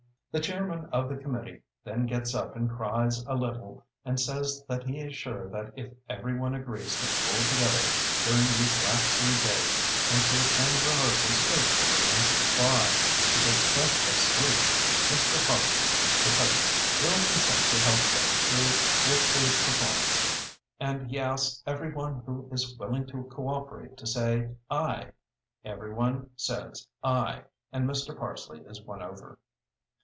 "] The Chairman of the Committee then gets up and cries a little, and says that he is sure that if every one agrees to pull together during these last three days and to attend rehearsals faithfully and to try to get plenty of sleep, Mr. Parsleigh, the coach, will consent to help them through with the performance, and he asks every one who is willing to coöperate to say "Aye." Every one says "Aye" and Mr. Parsleigh is won over.